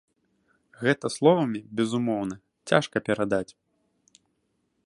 Гэта словамі, безумоўна, цяжка перадаць.